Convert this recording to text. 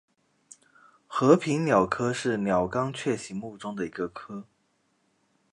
和平鸟科是鸟纲雀形目中的一个科。